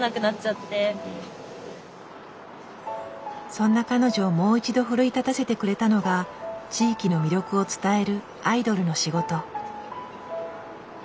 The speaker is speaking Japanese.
そんな彼女をもう一度奮い立たせてくれたのが地域の魅力を伝えるアイドルの仕事。